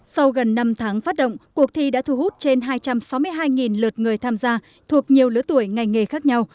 sau gần năm tháng phát động cuộc thi đã thu hút trên hai trăm sáu mươi hai lượt người tham gia thuộc nhiều lứa tuổi ngành nghề khác nhau